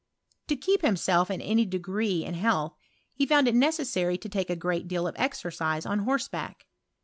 To keep himself in any degree in health, he found it necessary to take a great deal of exercise on horseback.